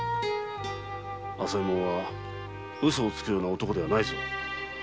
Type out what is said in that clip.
朝右衛門はウソをつくような男ではないぞ。